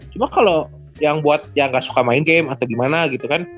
cuma kalau yang buat yang gak suka main game atau gimana gitu kan